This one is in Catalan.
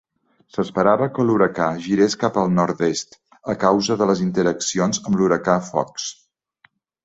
S'esperava que l'huracà girés cap al nord-est a causa de les interaccions amb l'huracà Fox.